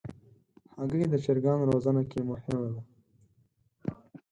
هګۍ د چرګانو روزنه کې مهم ده.